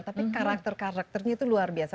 tapi karakter karakternya itu luar biasa